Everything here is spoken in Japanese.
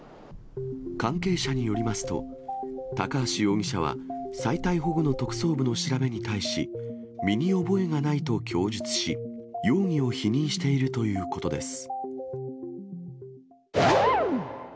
関係者によりますと、高橋容疑者は、再逮捕後の特捜部の調べに対し、身に覚えがないと供述し、容疑を否認しているということです。